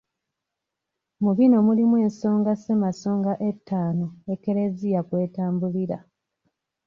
Mu bino mulimu ensonga Ssemasonga ettaano Ekereziya kw'etambulira.